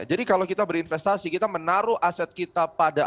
jadi kalau kita berinvestasi kita menaruh aset kita